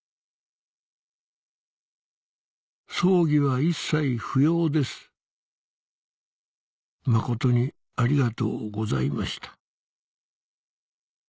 「葬儀は一切不要です」「誠にありがとうございました」